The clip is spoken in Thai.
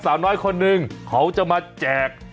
สาวน้อยคนนึงเขาจะมาแจก